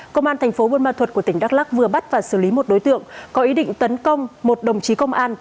công an tp bôn ma thuật của tỉnh đắk lắc vừa bắt và xử lý một đối tượng có ý định tấn công một đồng chí công an